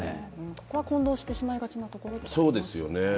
ここは混同してしまいがちなところですよね。